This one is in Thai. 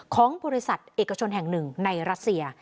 ของบริษัทเอกชนแห่งหนึ่งในรัสเซีย